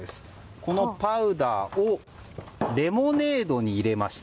このパウダーをレモネードに入れました。